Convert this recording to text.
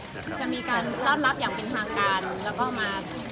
จะมีการรอบรับอย่างเป็นทางการ